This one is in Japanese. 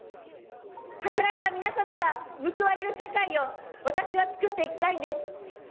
働いた皆様が報われる社会を私はつくっていきたいんです。